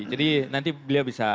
jadi nanti beliau bisa